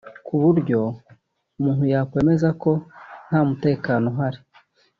ku buryo umuntu yakwemeza ko nta mutekano uhari